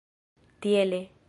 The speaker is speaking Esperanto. tiele